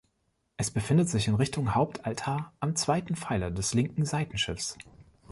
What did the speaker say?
Es befindet sich in Richtung Hauptaltar am zweiten Pfeiler des linken Seitenschiffs.